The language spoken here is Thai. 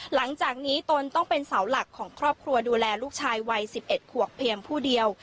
หลังจากนี้ตนต้องเป็นเสาหลักของครอบครัวดูแลลูกชายวัย๑๑ขวบเพียงผู้เดียว